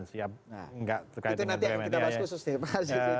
itu nanti yang kita bahas khusus nih pak